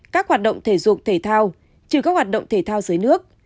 các hoạt động thể dục thể thao trừ các hoạt động thể thao dưới nước